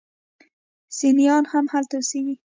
سنیان هم هلته اوسیږي.